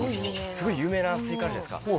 すごい有名なすいかあるじゃないですか